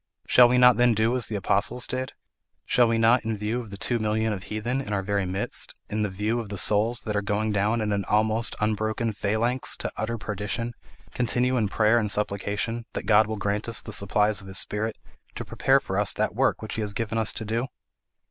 Shall we not then do as the apostles did? Shall we not, in view of the two millions of heathen in our very midst, in view of the souls that are going down in an almost unbroken phalanx to utter perdition, continue in prayer and supplication, that God will grant us the supplies of his Spirit to prepare us for that work which he has given us to do?